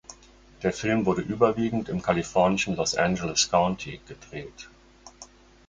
Der Film wurde überwiegend im kalifornischen Los Angeles County gedreht.